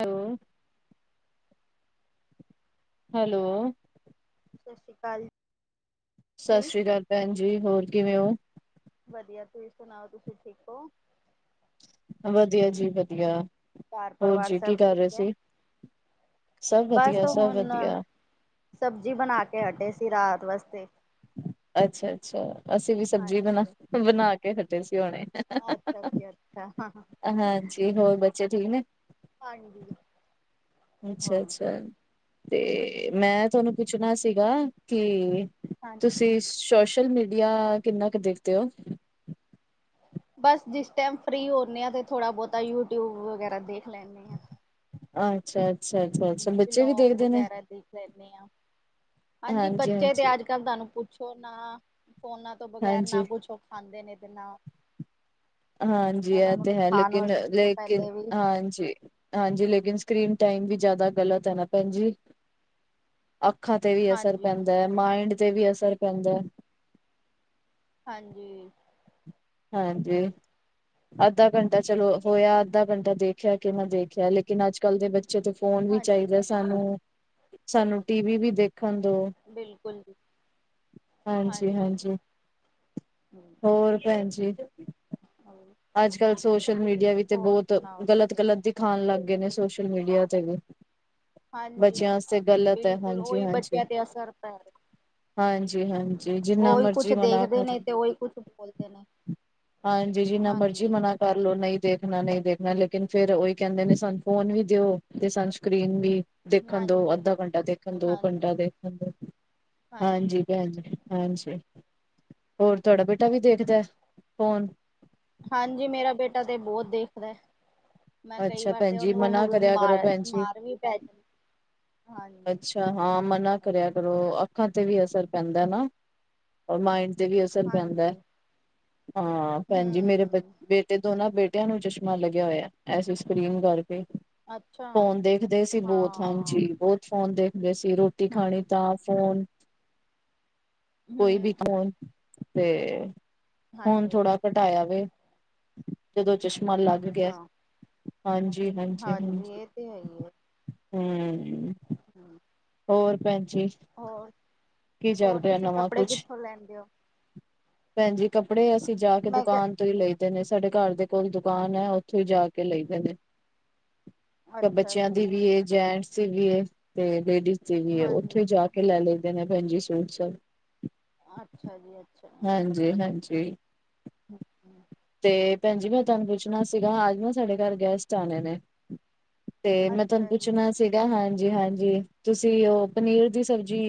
ਹੈ। ਹੈਲੋ। [inaudible] ਸਤਿ ਜੀ ਸ੍ਰੀ ਅਕਾਲ ਭੈਣ ਜੀ ਹੋਰ ਕਿਵੇਂ ਹੋ ਵਧੀਆ ਤੁਸੀਂ ਸੁਣਾਓ ਤੁਸੀਂ ਠੀਕ ਹੋ ਵਧੀਆ ਜੀ ਵਧੀਆ ਘਰ ਹੋਰ ਪਰਿਵਾਰ ਜੀ ਕੀ ਸਭ ਕਰ ਰਹੇ ਠੀਕ ਹੈ ਸੀ ਸਭ ਬਸ ਵਧੀਆ ਸਭ ਹੁਣ ਵਧੀਆ ਸਬਜ਼ੀ ਬਣਾ ਕੇ ਹਟੇ ਸੀ ਰਾਤ ਵਾਸਤੇ ਅੱਛਾ ਅੱਛਾ ਅਸੀਂ ਵੀ ਸਬਜ਼ੀ ਬਣਾ ਹਾਂਜੀ ਬਣਾ ਕੇ ਹਟੇ ਸੀ ਹੁਣੇ ਅੱਛਾ ਜੀ ਅੱਛਾ ਹਾਂਜੀ। ਤੇ ਹੋਰ ਬੱਚੇ ਠੀਕ ਨੇ? ਹਾਂਜੀ। ਹੋ ਅੱਛਾ-ਅੱਛਾ ਤੇ ਮੈਂ ਤੁਹਾਨੂੰ ਪੁੱਛਣਾ ਸੀਗਾ ਕਿ ਹਾਂਜ ਤੁਸੀਂ ਸ਼ੋਸ਼ਲ ਮੀਡੀਆ ਕਿੰਨਾ ਕੁ ਦੇਖਦੇ ਹੋ? ਬੱਸ ਜਿਸ ਟਾਈਮ ਫ੍ਰਰੀ ਹੋਣੇ ਹਾਂ ਤੇ ਥੋੜ੍ਹਾ ਬਹੁਤਾ ਯੂਟਿਊਬ ਵਗੈਰਾ ਦੇਖ ਲੈਣੇ ਹਾਂ। ਅੱਛਾ-ਅੱਛਾ ਅੱਛਾ-ਅੱਛਾ ਬੱਚੇ ਵੀ ਬਿਲੋਂਗ ਦੇਖਦੇ ਨੇ। ਵਗੈਰਾ ਦੇਖ ਲੈਣੇ ਹਾਂ। ਹਾਂਜੀ, ਬੱਚੇ ਤੇ ਅੱਜ ਕੱਲ੍ਹ ਤੁਹਾਨੂੰ ਪੁੱਛੋ ਨਾ, ਫੋਨਾਂ ਤੋਂ ਬਗੈਰ ਹਾਂਜੀ ਨਾ ਕੁਝ ਉਹ ਖਾਂਂਦੇ ਨੇ ਤੇ ਨਾਂਹ ਹਾਂਜੀ, ਇਹ ਤੇ ਹੈ, ਖਾਣ ਤੋਂ ਲੇਕਿਨ-ਲੇਕਿਨ, ਪਹਿਲੇ ਵੀ ਹਾਂਜੀ। ਹਾਂਜੀ, ਲੇਕਿਨ ਸਕਰੀਨ ਟਾਈਮ ਵੀ ਜ਼ਿਆਦਾ ਗਲਤ ਹੈ ਨਾ ਭੈਣਜੀ। ਅੱਖਾਂ ਤੇ ਵੀ ਅਸਰ ਹਾਂਜੀ ਪੈਂਦਾ ਹੈ, ਮਾਈਂਡ ਤੇ ਵੀ ਅਸਰ ਪੈਂਦਾ ਹੈ। ਹਾਂਜੀ। ਹਾਂਜੀ। ਹੋਰ ਅੱਧਾ ਘੰਟਾ ਚਲੋ ਹੋਇਗਆ। ਅੱਧਾ ਘੰਟਾ ਦੇਖਿਆ ਕਿ ਨਾ ਦੇਖਿਆ ਲੇਕਿਨ ਅੱਜ ਕੱਲ੍ਹ ਦੇ ਬੱਚੇ ਤੋਂ ਫੋਨ ਵੀ ਹਾਂਜੀ ਚਾਹੀਦਾ ਸਾਨੂੰ, ਸਾਨੂੰ ਟੀਵੀ ਵੀ ਦੇਖਣ ਦੋ। ਬਿਲਕੁਲ ਜੀ। ਹਾਂਜੀ ਹਾਂਜੀ-ਹਾਂਜੀ, ਹੋਰ ਭੈਣਜੀ? ਹਾਂ। ਅੱਜ ਕੱਲ੍ਹ ਸੋਸ਼ਲ ਮੀਡੀਆ ਵੀ ਤੇ ਬਹੁਤ ਤੁਸੀਂ ਗਲਤ-ਗਲਤ ਦਿਖਾਉਣ, ਲੱਗ ਗਏ ਨੇ ਸੋਸ਼ਲ ਮੀਡੀਆ ਤੇ ਵੀ। ਹਾਂਜੀ, ਬੱਚਿਆਂ ਵਾਸਤੇ ਗਲਤ ਹੈ ਬਿਲਕੁਲ ਹਾਂਜੀ ਉਹੀ ਹਾਂਜੀ ਬੱਚਿਆਂ ਤੇ ਅਸਰ ਪੈ ਰਿਹਾ। ਹਾਂਜੀ-ਹਾਂਜੀ ਔਰ ਜਿੰਨਾ ਉਹੀ ਕੁਝ ਮਰਜ਼ੀ ਮਨਾ ਦੇਖਦੇ, ਕਰ ਨੇ ਲੋ। ਤੇ ਉਹੀ ਕੁਝ ਬੋਲਦੇ ਨੇ। ਹਾਂਜੀ, ਜਿਹਨਾਂ ਮਰਜੀ ਹਾਂਜੀ ਮਨਾ ਕਰਲੋ ਨਹੀਂ ਦੇਖਣਾ, ਨਹੀਂ ਦੇਖਣਾ, ਲੇਕਿਨ ਫੇਰ ਉਹੀ ਕਹਿੰਦੇ ਨੇ ਸਾਨੂੰ ਫ਼ੋਨ ਵੀ ਦਿਓ ਤੇ ਸਾਨੂੰ ਸਕਰੀਨ ਵੀ। ਦੇਖਣ ਦੋ, ਹਾਂਜੀ ਅੱਧਾ ਘੰਟਾ ਦੇਖਣ ਦੋ, ਹਾਂਜੀ ਘੰਟਾ ਦੇਖਣ ਦੋ, ਹਾਂਜੀ ਭੈਣਜੀ। ਹਾਂਜੀ, ਹੋਰ ਤੁਹਾਡਾ ਬੇਟਾ ਵੀ ਦੇਖਦਾ, ਫ਼ੋਨ? ਹਾਂਜੀ, ਮੇਰਾ ਬੇਟਾ ਤੇ ਬਹੁਤ ਦੇਖਦਾ ਹੈ। ਮੈਂ ਕਈ ਅੱਛਾ ਵਾਰ ਭੈਣ ਤੇ ਜੀ ਮਨਾ ਉਹਨੂੰ ਕਰਿਆ ਕਰੋ ਮਾਰ, ਭੈਣ ਜੀ। ਮਾਰ ਵੀ ਪੈ ਜਾਂਦੀ ਅੱਛਾ, ਹਾਂ ਮਨਾ ਹਾਂਜੀ ਕਰਿਆ ਕਰੋ, ਅੱਖਾਂ ਤੇ ਵੀ ਅਸਰ ਪੈਂਦਾ ਨਾ। ਔਰ ਮਾਈਂਡ ਤੇ ਵੀ ਅਸਰ ਪੈਂਦਾ ਹਾਂਜੀ ਹਾਂ, ਭੈਣਜੀ ਮੇਰੇ ਹਮ ਬੱਚ ਤੇ ਦੋਨਾਂ ਬੇਟਿਆਂ ਨੂੰ ਚਸ਼ਮਾ ਲੱਗਿਆ ਹੋਇਆ, ਐਸ ਸਕਰੀਨ ਕਰਕੇ। ਅੱਛਾ ਫ਼ੋਨ ਦੇਖਦੇ ਸੀ, ਬਹੁਤ ਹਾਂ ਹਾਂਜੀ, ਬਹੁਤ ਫ਼ੋਨ ਦੇਖਦੇ ਸੀ ਰੋਟ ਰੋਟੀ ਹਾਂ ਖਾਣੀ ਤਾਂ ਫ਼ੋਨ, ਕੋਈ ਵੀ ਹਮ ਫ਼ੋਨ। ਤੇ ਹੁਣ ਹਾਂਜੀ ਥੋੜ੍ਹਾ ਘਟਾਇਆ ਵੇ, ਜਦੋਂ ਚਸ਼ਮਾ ਲੱਗ ਗਿਆ, ਅੱਛਾ ਹਾਂਜੀ ਹਾਂਜੀ-ਹਾਂਜੀ-ਹਾਂਜੀ। ਇਹ ਤੇ ਹੈ ਹੂੰ। ਹੂੰ। ਹੋਰ ਭੈਣ ਜੀ? ਹੋਰ, ਕੀ ਚੱਲ ਹੋਰ ਤੁਸੀਂ ਕੱਪੜੇ ਕਿੱਥੋਂ ਲੈਂਦੇ ਹੋ? ਭੈਣਜੀ, ਕੱਪੜੇ ਅਸੀਂ ਜਾ ਕੇ ਮੈਂ ਦੁਕਾਨ ਕਿਹਾ ਤੋਂ ਹੀ ਲਈ ਦੇ ਨੇ ਸਾਡੇ ਘਰ ਦੇ ਕੋਲ ਹੀ ਦੁਕਾਨ ਹੈ, ਉੱਥੋਂ ਹੀ ਜਾ ਕੇ ਲਈਦੇ ਨੇ। ਤੇ ਅੱਛਾ ਬੱਚਿਆਂ ਜੀ ਦੀ ਵੀ ਏ, ਜੈਂਟਸ ਦੀ ਵੀ ਏ ਤੇ ਲੇਡੀਜ਼ ਦੀ ਵੀ ਏ ਉੱਥੋਂ ਹਾਂਜੀ ਹੀ ਜਾ ਕੇ ਕਿ ਲੈ ਲਈਦੇ ਨੇ ਭੈਣਜੀ ਸੂਟ ਸਭ। ਅੱਛਾ ਜੀ, ਅੱਛਾ। ਜੀ, ਹਾਂਜੀ। ਹੂੰ-ਹੂੰ। [unintelligible] ਤੇ ਭੈਣਜੀ, ਮੈਂ ਤੁਹਾਨੂੰ ਪੁੱਛਣਾ ਸੀਗਾ, ਅੱਜ ਨਾ ਸਾਡੇ ਘਰ ਗੈਸਟ ਆਣੇ ਨੇ? ਤੇ ਮੈਂ ਤੁਹਾਨੂੰ ਅੱਛਾ ਜੀ ਪੁੱਛਣਾ ਸੀਗਾ, ਹਾਂਜੀ-ਹਾਂਜੀ, ਤੁਸੀਂ ਉਹ ਪਨੀਰ ਦੀ ਸਬਜ਼ੀ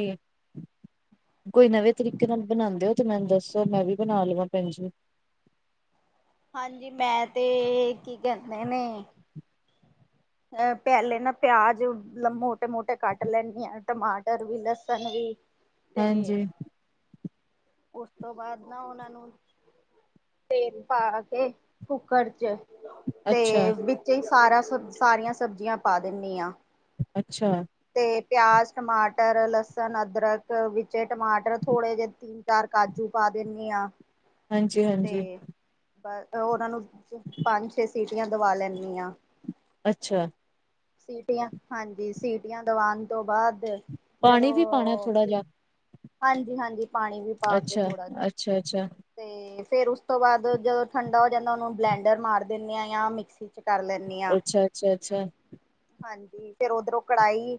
ਕੋਈ ਨਵੇਂ ਤਰੀਕੇ ਨਾਲ ਬਣਾਉਂਦੇ ਹੋ, ਤੇ ਮੈਨੂੰ ਦੱਸੋ ਮੈਂ ਵੀ ਬਣਾ ਲਵਾਂ [unintelligible] ਹਾਂਜੀ ਮੈਂ ਤੇ ਕੀ ਕਹਿੰਦੇ ਨੇ ਅਹ ਪਹਿਲੇ ਨਾ ਪਿਆਜ ਮੋਟੇ-ਮੋਟੇ ਕੱਟ ਲੈਂਦੀ ਹਾਂ। ਟਮਾਟਰ ਵੀ ਲਸਣ ਵੀ ਤੇ ਹਾਂਜੀ ਉਸ ਤੋਂ ਬਾਅਦ ਨਾ ਉਹਨਾਂ ਨੂੰ ਤੇਲ ਪਾ ਕੇ ਕੁੱਕਰ ਚ ਅੱਛਾ ਤੇ ਵਿੱਚ ਹੀ ਸਾਰਾ ਸਾਰੀਆਂ ਸਬਜ਼ੀਆਂ ਪਾ ਦਿੰਦੀ ਹਾਂ। ਅੱਛਾ। ਤੇ ਪਿਆਜ ਟਮਾਟਰ ਲਸਣ ਅਦਰਕ ਵਿੱਚ ਟਮਾਟਰ ਥੋੜੇ ਜੇ ਤਿੰਨ ਚਾਰ ਕਾਜੂ ਪਾ ਦਿੰਦੀ ਹਾਂ। ਹਾਂਜੀ, ਹਾਂਜੀ। ਉਹਨਾਂ ਨੂੰ ਪੰਜ ਛੇ ਅੱਛਾ। ਸੀਟੀਆਂ ਹਾਂਜੀ, ਸੀਟੀਆਂ ਦਵਾਉਣ ਤੋਂ ਬਾਅਦ ਪਾਣੀ ਜਦੋਂ ਵੀ ਪਾਉਣਾ ਥੋੜਾ ਜਿਹਾ ਹਾਂਜੀ-ਹਾਂਜੀ ਪਾਣੀ ਵੀ ਪਾ ਕੇ ਅੱਛਾ ਥੋੜ੍ਹਾ ਜਾ ਅੱਛਾ ਅੱਛਾ ਅਤੇ ਫੇਰ ਉਸ ਤੋਂ ਬਾਅਦ ਜਦੋਂ ਠੰਡਾ ਹੋ ਜਾਂਦਾ, ਉਹਨੂੰ ਬਲੈਂਡਰ ਮਾਰ ਦਿੰਦੇ ਹਾਂ ਜਾਂ ਮਿਕਸੀ 'ਚ ਕਰ ਲੈਂਦੀ ਹਾਂ। ਅੱਛਾ ਅੱਛਾ ਅੱਛਾ ਹਾਂਜੀ ਫਿਰ ਉਧਰੋਂ ਕੜਾਹੀ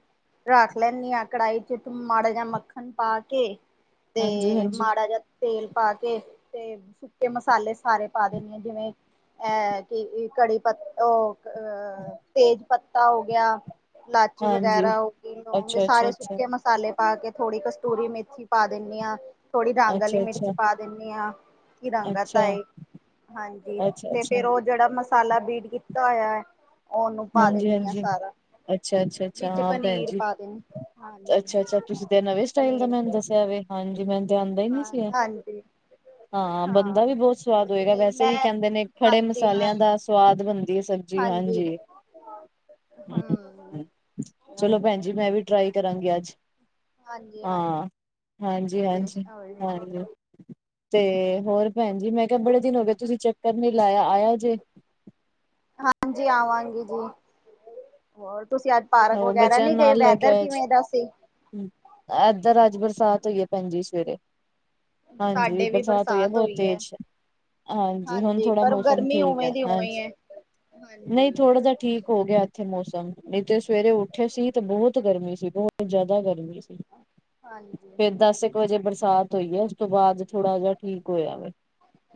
ਰੱਖ ਲੈਂਦੀ ਹਾਂ, ਕੜਾਹੀ ਚ ਮਾੜਾ ਜਾ ਮੱਖਣ ਪਾ ਕੇ ਹਾਂਜੀ ਤੇ ਹਾਂਜੀ ਮਾੜਾ ਜਾ ਤੇਲ ਪਾ ਕੇ ਤੇ ਸੁੱਕੇ ਮਸਾਲੇ ਸਾਰੇ ਪਾ ਦੇਣੀ ਆ ਜਿਵੇਂ ਅ ਕਿ ਕੜੀ ਪ ਉਹ ਤੇਜ ਪੱਤਾ ਹੋ ਗਿਆ। ਇਲਾਚੀ ਹਾਂਜੀ ਵਗੈਰਾ ਹੋ ਗਈ ਲੋਂਂਗ ਅੱਛਾ ਅੱਛਾ ਸਾਰੇ ਅੱਛਾ ਸੁੱਕੇ ਮਸਾਲੇ ਪਾ ਕੇ ਥੋੜੀ ਕ ਕਸਤੂਰੀ ਮੇਥੀ ਪਾ ਦੀਨੇ ਆ ਥੋੜ੍ਹੀ ਰੰਗ ਆਲੀ ਅੱਛਾ ਮਿਰਚ ਅੱਛਾ ਪਾ ਦਿਨੀ ਆ। ਕਿ ਰੰਗਤ ਆਏ ਅੱਛਾ ਹਾਂਜੀ ਅੱਛਾ ਤੇ ਅੱਛਾ ਫੇਰ ਉਹ ਜਿਹੜਾ ਮਸਾਲਾ ਉਹਨੂੰ ਪਾ ਹਾਂਜੀ ਦਿਨੀ ਆ ਹਾਂਜੀ ਸਾਰਾ ਅੱਛਾ ਅੱਛਾ ਅੱਛਾ ਵਿੱਚ ਹਾਂ ਭੈਣ ਜੀ ਪਨੀਰ ਪਾ ਦੇ ਅੱਛਾ-ਅੱਛਾ [unintelligible] ਤੁਸੀਂ ਤਾਂ ਨਵੇਂ ਸਟਾਈਲ ਦਾ ਮੈਨੂੰ ਦੱਸਿਆ ਵੇ ਹਾਂਜੀ ਮੈਨੂੰ ਤੇ ਆਂਦਾ ਹੀ ਨਹੀਂ ਹਾਂ, ਸੀ ਇਹ। ਹਾਂਜੀ। ਹਾਂ, ਬਣਦਾ ਵੀ ਬਹੁਤ ਸਵਾਦ ਹੋਏਗਾ ਨਹੀਂ ਵੈਸੇ ਵੀ ਮੈਂ, ਕਹਿੰਦੇ ਨੇ ਖੜੇ ਹਾਂਜੀ ਹਾਂ, ਮਸਾਲਿਆਂ ਦਾ ਸਵਾਦ ਬਣਦੀ ਐ ਸਬਜੀ। ਜੀ ਹਾਂਜੀ। ਹਾਂ। ਹੂੰ, ਚਲੋ ਭੈਣ ਜੀ ਮੈਂ ਵੀ ਟਰਾਈ ਕਰਾਂਗੀ ਅੱਜ। ਹਾਂ, ਹਾਂਜੀ ਹਾਂਜੀ ਹੋਰ ਜੀ। ਹਾਂਜੀ। ਤੇ ਹੋਰ ਭੈਣ ਜੀ ਮੈਂ ਕਿਹਾ ਬੜੇ ਦਿਨ ਹੋ ਗਏ ਤੁਸੀਂ ਚੱਕਰ ਨੀ ਲਾਇਆ ਆਇਆ ਜੇ ਹਾਂਜੀ, ਆਵਾਂਗੀ ਜੀ ਹੋਰ ਤੁਸੀਂ ਅੱਜ ਪਾਰਕ ਹੋਰ ਵਗੈਰਾ ਬੱਚਿਆਂ ਨਹੀਂ ਨੂੰ ਗਏ ਨਾਲ ਲੈ ਕੇ ਵੈਦਰ ਆਇਆ ਜੇ। ਕਿਵੇਂ ਦਾ ਸੀ? ਏਧਰ ਅੱਜ ਬਰਸਾਤ ਹੋਈ ਐ ਭੈਣ ਜੀ ਸਵੇਰੇ। ਹਾਂਜੀ, ਸਾਡੇ ਵੀ ਬਰਸਾਤ ਹੋਈ ਆ ਬਹੁਤ ਐ। ਤੇਜ। ਹਾਂਜੀ, ਹੁਣ ਥੋੜ੍ਹਾ ਪਰ ਮੌਸਮ ਗਰਮੀ ਠੀਕ ਉਵੇਂ ਐ ਦੀ ਉਵੇਂ ਹਾਂਜੀ। ਐ। ਨਹੀਂ ਹਾਂਜੀ। ਥੋੜਾ ਜਾ ਠੀਕ ਹੋ ਗਿਆ ਇੱਥੇ ਮੌਸਮ ਨਹੀਂ ਤੇ ਸਵੇਰੇ ਉੱਠੇ ਸੀ ਤੇ ਬਹੁਤ ਗਰਮੀ ਸੀ ਬਹੁਤ ਜ਼ਿਆਦਾ ਗਰਮੀ ਸੀ ਹਾਂਜੀ। ਇਦਾਂ ਬਸ ਇੱਕ ਵਜੇ ਬਰਸਾਤ ਹੋਈ ਐ ਉਸ ਤੋਂ ਬਾਅਦ ਥੋੜਾ ਜਾ ਠੀਕ ਹੋਇਆ ਵੇ।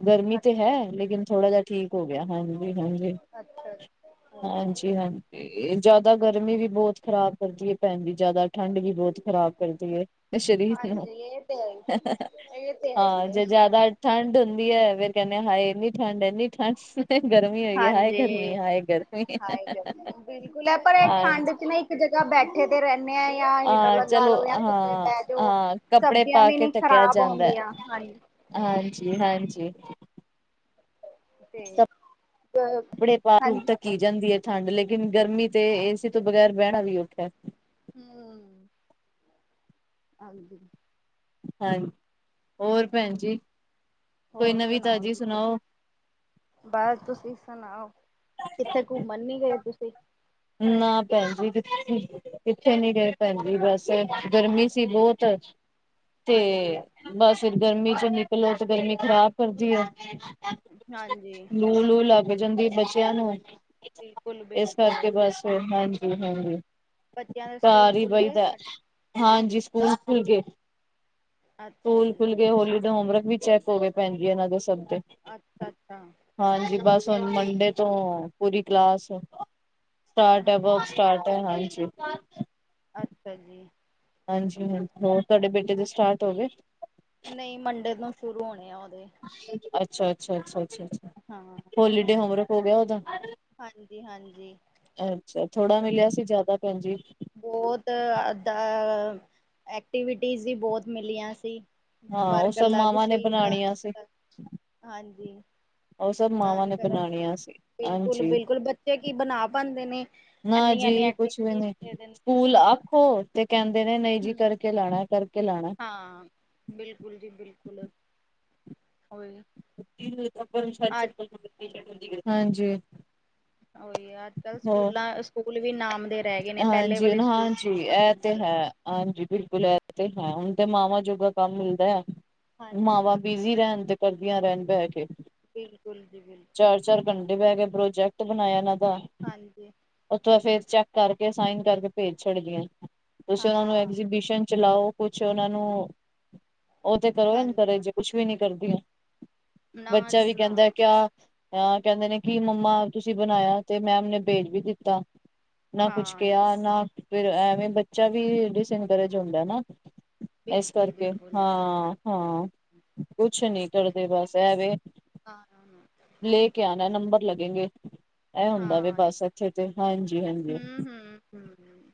ਗਰਮੀ ਤੇ ਹੈ ਅੱਛਾ ਜੀ। ਲੇਕਿਨ ਥੋੜਾ ਜਾ ਠੀਕ ਹੋ ਗਿਆ ਹਾਂਜੀ ਹਾਂਜੀ। ਅੱਛਾ। ਹਾਂਜੀ ਅੱਛਾ-ਅੱਛਾ। ਹਾਂਜੀ ਜ਼ਿਆਦਾ ਗਰਮੀ ਹੂੰ। ਵੀ ਬਹੁਤ ਖ਼ਰਾਬ ਕਰਦੀ ਐ ਭੈਣ ਜੀ ਜਿਆਦਾ ਠੰਡ ਵੀ ਬਹੁਤ ਖ਼ਰਾਬ ਕਰਦੀ ਏ। ਸ਼ਰੀਰ ਨੂੰ ਹਾਂਜੀ ਇਹ ਤੇ ਹੈ ਇਹ ਤੇ ਹੈ ਹਾਂ ਹੀ ਹੈ। ਜੇ ਜ਼ਿਆਦਾ ਠੰਡ ਹੁੰਦੀ ਐ ਫੇਰ ਕਹਿੰਦੇ ਹਾਏ ਐਨੀ ਠੰਡ ਐਨੀ ਠੰਡ। ਗਰਮੀ ਹੋਏਗੀ ਹਾਏ ਗਰਮੀ ਹਾਂਜੀ। ਹਾਏ ਗਰਮੀ। ਬਿਲਕੁਲ ਐ ਪਰ ਇਹ ਹਾਂ ਠੰਡ ਚ ਨਾ ਇੱਕ ਜਗ੍ਹਾ ਬੈਠ ਕਿੱਥੇ ਤੇ ਰਹਿੰਦੇ ਆ ਜਾਂ ਹੀਟਰ ਅਹ ਲਗਾ ਚਲੋ ਲਓ ਜਾਂ ਕਿਤੇ ਹਾਂ ਬਹਿ ਜਾਓ ਹਾਂ ਕੱਪੜੇ ਸਬਜ਼ੀਆਂ ਪਾ ਵੀ ਨੀ ਖ਼ਰਾਬ ਹੁੰਦੀਆਂ। [unintelligible] ਹਾਂਜੀ-ਹਾਂਜੀ। ਤੇ ਅ ਕੱਪੜੇ ਪਾ ਹਾਂਜੀ ਧੱਕੀ ਜਾਂਦੀ ਐ ਠੰਡ ਲੇਕਿਨ ਗਰਮੀ ਤੇ ਏਸੀ ਤੋਂ ਬਗੈਰ ਬਹਿਣਾ ਵੀ ਔਖਾ। ਹੂੰ ਹਾਂਜੀ ਹਾਂ ਹੋਰ ਭੈਣ ਜੀ? ਕੋਈ ਹੋਰ ਸੁਣਾਓ ਨਵੀਂ-ਤਾਜ਼ੀ ਤੁਸੀਂ? ਸੁਣਾਓ? ਬਸ ਤੁਸੀਂ ਸੁਣਾਓ? ਕਿੱਥੇ ਘੁੰਮਣ ਨੀ ਗਏ ਤੁਸੀਂ? ਨਾ ਭੈਣ ਜੀ ਕਿੱਥੇ ਕਿੱਥੇ ਨੀ ਗਏ ਭੈਣ ਜੀ ਬਸ ਗਰਮੀ ਸੀ ਬਹੁਤ ਤੇ ਹਾਂਜੀ ਬਸ ਫਿਰ ਗਰਮੀ ਚ ਨਿਕਲੋ ਤੇ ਗਰਮੀ ਖ਼ਰਾਬ ਕਰਦੀ ਏ ਹਾਂਜੀ ਲੂ-ਲੂ ਲੱਗ ਜਾਂਦੀ ਬੱਚਿਆਂ ਨੂੰ। ਬਿਲਕੁਲ-ਬਿਲਕੁਲ। ਹਾਂਜੀ-ਹਾਂਜੀ ਬੱਚਿਆਂ ਦੇ ਸਕੂਲ ਘਰ ਈ ਖੁੱਲ ਬਹੀ ਗਏ ਦਾ ਤੁਹਾਡੇ? ਹਾਂਜੀ ਸਕੂਲ ਖੁੱਲ ਗਏ ਅੱਛਾ ਸਕੂਲ ਜੀ ਖੁੱਲ ਗੇ ਹੋਲੀ ਦੇ ਹੋਮਵਰਕ ਵੀ ਚੈਕ ਹੋਗੇ ਭੈਣ ਜੀ ਇਹਨਾਂ ਦੇ ਸਭ ਦੇ। ਅੱਛਾ-ਅੱਛਾ। ਹਾਂਜੀ ਬਸ ਹੁਣ ਮੰਡੇ ਤੋਂ ਪੂਰੀ ਕਲਾਸ ਸਟਾਰਟ ਐ ਅਬ ਹਾਂਜੀ, ਸਟਾਰਟ ਐ ਹਾਂਜੀ ਅੱਛਾ ਜੀ। ਹਾਂਜੀ ਹਾਂ, ਹੋਰ ਤੁਹਾਡੇ ਬੇਟੇ ਦੇ ਸਟਾਰਟ ਹੋ ਗਏ? ਨਹੀਂ, ਮੰਡੇ ਤੋਂ ਸ਼ੁਰੂ ਹੋਣੇ ਆ ਉਹਦੇ। ਅੱਛਾ-ਅੱਛਾ-ਅੱਛਾ-ਅੱਛਾ ਅ ਹਾਂ। ਹੋਲੀਡੇ ਹੋਮਵਰਕ ਹੋ ਗਿਆ ਉਹਦਾ? ਹਾਂਜੀ-ਹਾਂਜੀ, ਅੱਛਾ, ਥੋੜਾ ਮਿਲਿਆ ਸੀ ਜ਼ਿਆਦਾ ਭੈਣ ਜੀ? ਬਹੁਤ ਦਾ ਐਕਟੀਵਿਟੀਜ਼ ਵੀ ਬਹੁਤ ਮਿਲੀਆਂ ਸੀ। ਹਾਂ ਉਹ ਵਰਕ ਸਭ ਅਲੱਗ ਮਾਵਾਂ ਨੇ ਸੀ ਇ ਬਣਾਉਣੀਆਂ ਸੀ ਹਾਂਜੀ ਉਹ ਸਭ ਮਾਵਾਂ ਦਾਨ ਨੇ ਕਰਨ ਬਣਾਉਣੀਆਂ ਸੀ ਹਾਂਜੀ ਬਿਲਕੁਲ-ਬਿਲਕੁਲ ਬੱਚੇ ਕੀ ਬਣਾ ਪਾਉਦੇ ਨੇ? ਨਾ ਜੀ ਇੰਨੀ-ਇੰਨੀ ਕੁਛ ਵੀ ਐਕਟੀਵਿਟੀਜ਼ ਨਹੀਂ, ਦੇ ਦਿੰਦੇ ਐ। ਸਕੂਲ ਆਖੋ ਤੇ ਕਹਿੰਦੇ ਨੇ ਨਹੀਂ ਜੀ ਕਰਕੇ ਲਾਉਣਾ, ਕਰਕੇ ਲਾਉਣਾ। ਹਾਂ, ਬਿਲਕੁਲ ਜੀ ਬਿਲਕੁਲ। ਹੋਰ? [inaudible] [inaudible] ਉਹੀ ਆ ਅੱਜ-ਕੱਲ੍ਹ ਸਕੂਲਾ-ਸਕੂਲ ਵੀ ਨਾਮ ਦੇ ਰਹਿ ਗਏ ਨੇ ਪਹਿਲੇ ਵਾਲੇ ਸਕੂਲ ਹਾਂਜੀ-ਹਾਂਜੀ ਇਹ ਖਤਮ ਹੋ ਤੇ ਗਏ। ਹੈ। ਹਾਂਜੀ ਬਿਲਕੁਲ ਇਹ ਤੇ ਹੈ, ਹੁਣ ਤੇ ਮਾਵਾਂ ਜੋਗਾ ਕੰਮ ਮਿਲਦਾ ਹੈ ਹਾਂਜੀ ਮਾਵਾਂ ਵੀ ਬੀਜੀ ਰਹਿਣ ਤੇ ਕਰਦੀਆਂ ਰਹਿਣ ਬਹਿ ਕੇ, ਬਿਲਕੁਲ ਜੀ ਬਿਲਕੁਲ। ਚਾਰ-ਚਾਰ ਘੰਟੇ ਬਹਿ ਕੇ ਪ੍ਰੋਜੈਕਟ ਬਣਾਇਆ ਇਹਨਾਂ ਦਾ ਹਾਂਜੀ। ਉੱਥੋਂ ਫਿਰ ਚੈੱਕ ਕਰਕੇ, ਸਾਈਨ ਕਰਕੇ ਭੇਜ ਛੱਡ ਦੀਆ ਤੁਸੀਂ ਉਹਨਾਂ ਨੂੰ ਹਾਂ ਐਗਜੀਬਿਸ਼ਨ ਚ ਲਾੳ ਕੁਛ ਉਹਨਾਂ ਨੂੰ, ਉਹ ਤੇ ਕਰੋ ਹਾਂਜੀ ਐਨਕਰੇਜ। ਕੁਛ ਵੀ ਨੀ ਕਰਦੀਆਂ, ਨਾ ਬੱਚਾ ਜੀ ਵੀ ਨਾ ਕਹਿੰਦਾ ਕਿਆ? ਆ ਕਹਿੰਦੇ ਨੇ ਕਿ ਮੰਮਾ ਤੁਸੀਂ ਬਣਾਇਆ ਤੇ ਮੈਮ ਨੇ ਭੇਜ ਵੀ ਦਿੱਤਾ। ਨਾ ਕੁਛ ਹਾਂਜੀ ਕਿਹਾ, ਨਾ ਫਿਰ ਐਵੇਂ ਬੱਚਾ ਵੀ ਡਿਸਨਕਰੇਜ ਹੁੰਦਾ ਨਾ? ਇਸ ਬਿਲਕੁਲ ਕਰਕੇ, ਬਿਲਕੁਲ ਹਾਂ-ਹਾਂ। ਕੁਛ ਨਹੀਂ ਹਾਂ ਕਰਦੇ ਬਸ ਐਵੇ ਲੈ ਕੇ ਆਉਣਾ, ਨੰਬਰ ਲੱਗੇਗੇ, ਇਹ ਹੁੰਦਾ ਵੀ ਬਸ ਇੱਥੇ ਤੇ, ਹਾਂਜੀ। ਹਾਂਜੀ ਹਮ-ਹਮ-ਹਮ-ਹਮ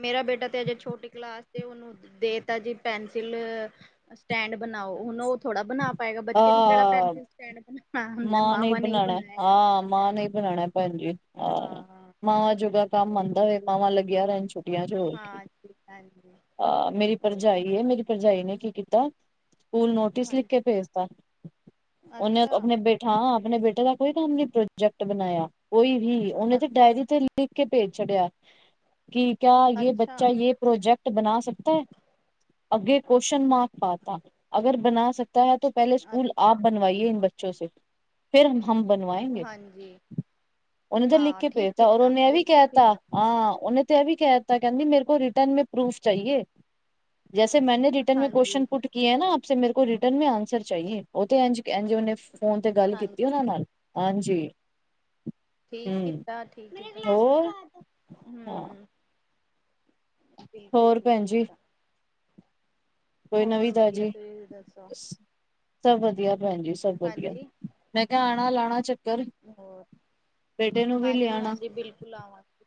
ਮੇਰਾ ਬੇਟਾ ਤੇ ਅਜੇ ਛੋਟੀ ਕਲਾਸ ਤੇ ਉਹਨੂੰ ਦੇ ਤਾ ਜੀ ਪੈਨਸਿਲ ਸਟੈਂਡ ਬਣਾਓ, ਹੁਣ ਉਹ ਥੋੜਾ ਬਣਾ ਪਏਗਾ, ਬੱਚੇ ਨੂੰ ਕਿਹੜਾ ਆਹ ਪੈਨਸਿਲ ਸਟੈਂਡ ਬਣਾਉਣਾ ਆਉਦਾ, ਮਾਂ ਮਾਵਾਂ ਨੇ ਬਣਾਉਣਾ ਬਣਾਇਆ ਹਾਂ, ਮਾਂ ਨਹੀਂ ਬਣਾਣਾ ਭੈਣਜੀ, ਹਾਂ ਮਾਵਾਂ ਜੋਗਾ ਕੰਮ ਆਉਂਦਾ ਵੇਂ, ਮਾਵਾਂ ਲੱਗੀਆਂ ਰਹਿਣ ਚੋ ਹਾਂਜੀ ਹਾਂਜੀ ਆਹ ਮੇਰੀ ਓਹੀ ਭਰਜਾਈ ਹੈ। ਮੇਰੀ ਭਰਜਾਈ ਨੇ ਕੀ ਕੀਤਾ। ਸਕੂਲ ਨੋਟਿਸ ਲਿਖ ਹਾਂਜੀ ਕੇ ਭੇਜਤਾ, ਉਹਨੇ ਅੱਛਾ ਆਪਣੇ ਬੇਟੇ ਹਾਂ ਆਪਣੇ ਬੇਟੇ ਦਾ ਕੋਈ ਕੰਮ ਨੀ ਪ੍ਰੋਜੈਕਟ ਬਣਾਇਆ ਕੋਈ ਵੀ, ਉਹਨੇ ਤੇ ਅੱਛਾ ਡਾਇਰੀ ਤੇ ਲਿਖ ਕੇ ਭੇਜ ਛੱਡਿਆ ਕਿ ਕਿਆ ਜੇ ਅੱਛਾ ਬੱਚਾ ਜੇ ਪ੍ਰੋਜੈਕਟ ਬਣਾ ਸਕਦਾ ਹੈ। ਅੱਗੇ ਕੁਸ਼ਚਨ ਮਾਰਕ ਪਾਤਾ, ਅਗਰ ਬਣਾ ਸਕਦਾ ਹੈ। ਪਹਿਲੇ ਅ ਸਕੂਲ ਆਪ ਬਣਵਾਈਏ ਇਨ ਬੱਚੋ ਸੇ ਫਿਰ ਹਮ ਬਣਵਾਏਂਗੇ ਹਾਂਜੀ ਉਹਨੇ ਤਾਂ ਲਿਖ ਹਾਂ ਕੇ ਠੀਕ ਭੇਜਤਾ, ਔਰ ਕੀਤਾ ਉਹਨੇ ਇਹ ਵੀ ਬਿਲਕੁਲ ਠੀਕ ਕਹਿਤਾ ਹੈ ਹਾਂ, ਉਹਨੇ ਤਾਂ ਇਹ ਵੀ ਕਹਿ ਦਿੱਤਾ ਕਹਿੰਦੀ ਮੇਰੇ ਕੋਲ ਰਿਟਰਨ ਮੈਂ ਪਰੂਫ ਚਾਹੀਏ। ਜੈਸੇ ਮੈਂਨੇ ਰਿਟਟਰਨੈਂ ਮੇਂ ਕੁਸ਼ਚਨ ਹਾਂਜੀ ਪੁੱਟ ਕਿਆ ਹੈ ਨਾ ਆਪ ਸੇ, ਮੇਰੇ ਕੋ ਰਿਟਟਰਨੈਂ ਮ ਚਾਹੀਏ ਉਹ ਤੇ ਇੰਝ ਉਹਨੇ ਫੋਨ ਤੇ ਗੱਲ ਕੀਤੀ ਹਾਂਜੀ ਉਹਨਾਂ ਨਾਲ। ਹਾਂਜੀ। ਠੀਕ ਹੂੰ ਕੀਤਾ, ਠੀਕ ਹੋਰ ਕੀਤਾ। ਹਾਂ ਹਮ। ਬਿਲਕੁਲ ਹੋਰ ਠੀਕ ਭੈਣ ਜੀ ਕੀਤਾ। ਕੋਈ ਹੋਰ ਨਵੀਂ ਵਧੀਆ ਤਾਜ਼ੀ। ਤੁਸੀਂ ਦੱਸੋ ਸਭ ਵਧੀਆ ਭੈਣ ਜੀ ਸਭ ਵਧੀਆ, ਹਾਂਜੀ ਮੈਂ ਕਿਹਾ ਆਉਣਾ ਲਾਉਣਾ ਚੱਕਰ। ਹੋਰ ਬੇਟੇ ਨੂੰ ਵੀ ਹਾਂਜੀ ਲਿਆਣਾ -ਹਾਂਜੀ ਬਿਲਕੁਲ ਆਵਾਂਗੇ।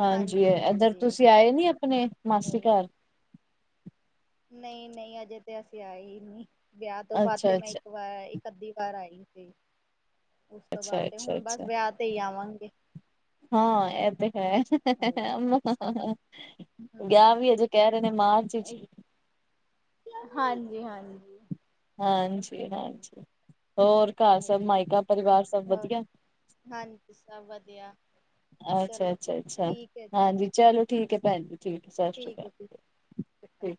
ਹਾਂਜੀ, ਇੱਧਰ ਤੁਸੀਂ ਆਏ ਨੀ ਆਪਣੇ ਮਾਸੀ ਓਹੀ ਘਰ। ਨਹੀਂ- ਨਹੀਂ ਅਜੇ ਤੇ ਅਸੀਂ ਆਏ ਹੀ ਨਹੀਂ, ਵਿਆਹ ਤੋਂ ਬਾਅਦ ਤੇ ਅੱਛਾ ਮੈਂ ਅੱਛਾ ਇੱਕ ਵਾਰ ਇੱਕ ਅੱਧੀ ਵਾਰ ਆਈ ਸੀ। ਉਸ ਤੋਂ ਬਾਅਦ ਅੱਛਾ ਤੇ ਅੱਛਾ ਹੁਣ ਬਸ ਅੱਛਾ ਵਿਆਹ ਤੇ ਹੀ ਆਵਾਂਗੇ। ਹਾਂ, ਇਹ ਤਾ ਹੈ। ਵਿਆਹ ਵੀ ਹਜੇ ਕਹਿ ਰਹੇ ਨੇ ਮਾਰਚ ਵਿੱਚ। ਹਾਂਜੀ- ਹਾਂਜੀ। ਹਾਂਜੀ, ਹਾਂਜੀ। ਹੋਰ ਘਰ ਸਭ ਮਾਇਕਾ ਪਰਿਵਾਰ ਸਭ ਹੋਰ ਵਧੀਆ। ਹਾਂਜੀ, ਸਭ ਵਧੀਆ। ਚਲੋ ਅੱਛਾ-ਅੱਛਾ-ਅੱਛਾ, ਠੀਕ ਹੈ ਜੀ ਹਾਂਜੀ, ਚਲੋ ਠੀਕ ਹੈ ਭੈਣ ਜੀ ਠੀਕ ਹੈ ਸਤਿ ਸ਼੍ਰੀ ਠੀਕ ਅਕਾਲ। ਹੈ ਜੀ। ਠੀਕ